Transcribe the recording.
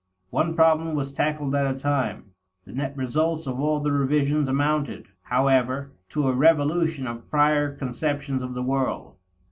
One problem was tackled at a time. The net results of all the revisions amounted, however, to a revolution of prior conceptions of the world.